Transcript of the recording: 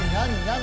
何？